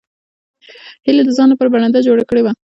هیلې د ځان لپاره برنډه جوړه کړې وه